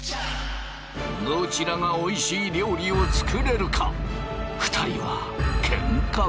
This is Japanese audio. どちらがおいしい料理を作れるか２人はケンカばかり。